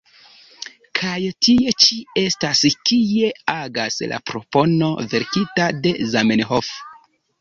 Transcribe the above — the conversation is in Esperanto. Kaj tie ĉi estas kie agas la propono verkita de Zamenhof.